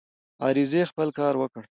عریضې خپل کار وکړ.